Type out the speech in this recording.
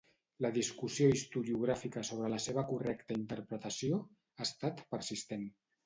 La discussió historiogràfica sobre la seva correcta interpretació ha estat persistent.